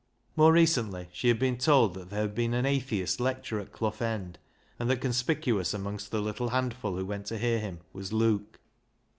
More recently she had been told that there had been an atheist lecturer at Clough End, and that conspicuous amongst the little handful who went to hear him was Luke.